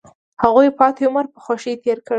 هغوی پاتې عمر په خوښۍ تیر کړ.